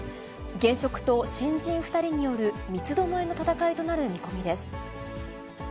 現職と新人２人による三つどもえの戦いとなる見込みです。